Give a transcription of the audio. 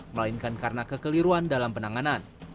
melainkan karena kekeliruan dalam penanganan